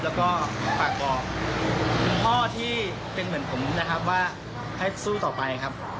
แล้วก็ฝากบอกพ่อที่เป็นเหมือนผมนะครับว่าให้สู้ต่อไปครับ